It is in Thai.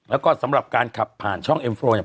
แล้วก็สำหรับการขับผ่านช่องเอ็มโลงเนี่ย